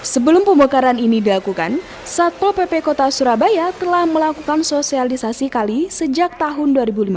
sebelum pembongkaran ini dilakukan satpol pp kota surabaya telah melakukan sosialisasi kali sejak tahun dua ribu lima belas